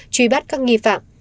truy bắt các nghi phạm